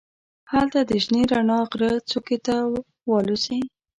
هلته د شنې رڼا غره څوکې ته والوزي.